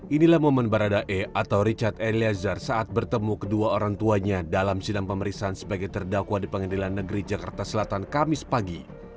inilah momen barada e atau richard eliezer saat bertemu kedua orang tuanya dalam sidang pemeriksaan sebagai terdakwa di pengadilan negeri jakarta selatan kamis pagi